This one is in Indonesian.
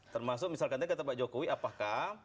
termasuk misalkan tadi kata pak jokowi apakah